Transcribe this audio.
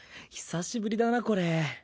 久しぶりだなこれ。